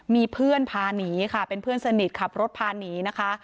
มีเพื่อนพาหนีค่ะเป็นเพื่อนสนิทขับรถพาหนีนะคะ